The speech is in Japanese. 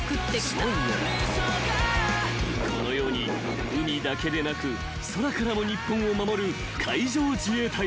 ［このように海だけでなく空からも日本を守る海上自衛隊］